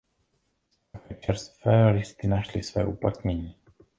Také čerstvé listy našly své uplatnění.